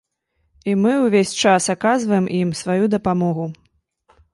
І мы ўвесь час аказваем ім сваю дапамогу.